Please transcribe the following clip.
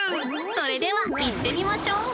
それでは行ってみましょう！